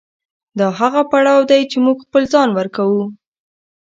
دا هغه پړاو دی چې موږ خپل ځان ورکوو.